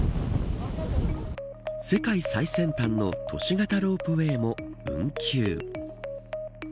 世界最先端の都市型ロープウエーも運休。